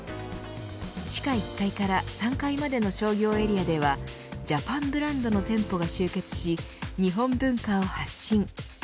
地下１階から３階までの商業エリアではジャパンブランドの店舗が集結し日本文化を発信。